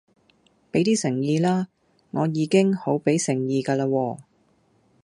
俾啲誠意啦，我已經好俾誠意㗎啦喎